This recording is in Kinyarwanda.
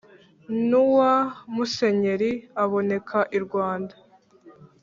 n'uwa musenyeeri aboneka i rwanda